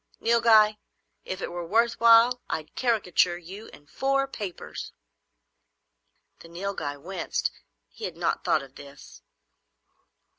Nilghai, if it were worth while I'd caricature you in four papers!" The Nilghai winced. He had not thought of this.